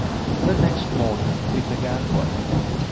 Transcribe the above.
The next morning we began work.